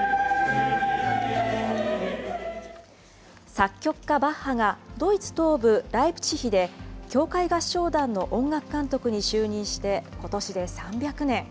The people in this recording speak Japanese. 作曲家、バッハがドイツ東部ライプチヒで、教会合唱団の音楽監督に就任してことしで３００年。